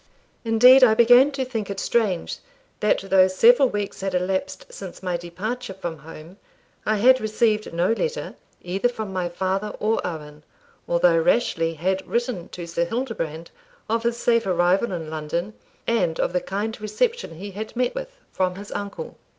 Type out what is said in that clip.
Indeed I began to think it strange that though several weeks had elapsed since my departure from home, I had received no letter, either from my father or Owen, although Rashleigh had written to Sir Hildebrand of his safe arrival in London, and of the kind reception he had met with from his uncle.